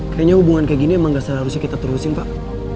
kayaknya hubungan kayak gini emang gak salah harusnya kita terusin fak